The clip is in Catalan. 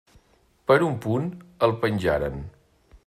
Per un punt el penjaren.